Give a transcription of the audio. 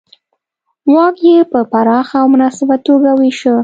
واک یې په پراخه او مناسبه توګه وېشه.